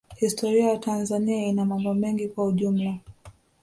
Historia ya Tanzania ina mambo mengi kwa ujumla